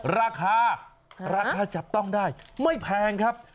ราคาราคาจับต้องได้ไม่แพงครับ